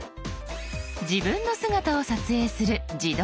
自分の姿を撮影する「自撮り」。